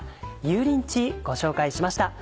「油淋鶏」ご紹介しました。